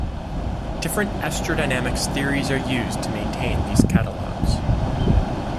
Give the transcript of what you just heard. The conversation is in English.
Different astrodynamics theories are used to maintain these catalogs.